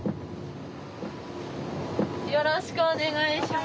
よろしくお願いします。